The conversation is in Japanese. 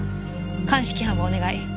鑑識班をお願い。